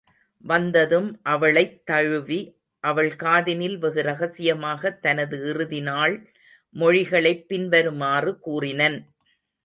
வந்ததும் அவளைத் தழுவி அவள் காதினில் வெகு ரகசியமாகத் தனது இறுதிநாள் மொழிகளைப் பின் வருமாறு கூறினன்.